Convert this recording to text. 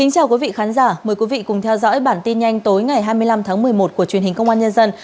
chào mừng quý vị đến với bản tin nhanh tối ngày hai mươi năm tháng một mươi một của truyền hình công an nhân dân